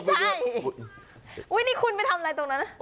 ใช่นี่คุณไปทำอะไรตรงนั้น